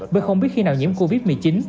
bởi không biết khi nào nhiễm covid một mươi chín